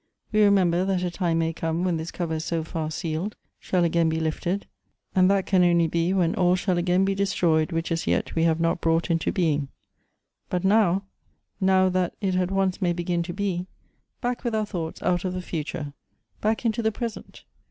We remember that a time may come when this cover so fast sealed shall again be lifted : and that can only be when all shall again be destroyed which as yet we have not brought into being. " But now — now that it at once may begin to be, back with our thoughts out of the^ future — back into the present.